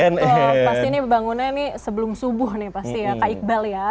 betul pasti ini bangunnya ini sebelum subuh nih pasti ya kak iqbal ya